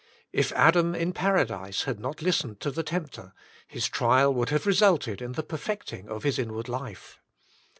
If Adam in paradise had not listened to the tempter, his trial would have resulted in the per fecting of his inward life.